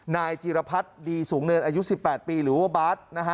นายจีรพัฒน์ดีสูงเนินอายุ๑๘ปีหรือว่าบาร์ดนะฮะ